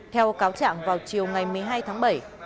theo cáo trạng vào chiều ngày một mươi hai tháng bảy